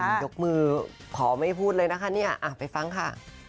ยกมือขอไม่พูดเลยนะคะเนี่ยไปฟังค่ะ